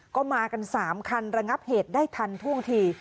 ก็มากัน๓คันระงับเหตุได้ทันท่วงที